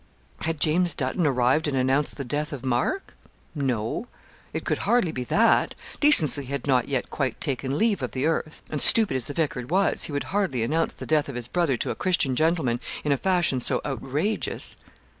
Had James Dutton arrived and announced the death of Mark no; it could hardly be that decency had not yet quite taken leave of the earth; and stupid as the vicar was, he would hardly announce the death of his brother to a Christian gentleman in a fashion so outrageous.